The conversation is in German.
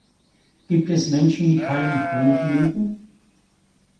Gibt es Menschen, die keinen Honig mögen?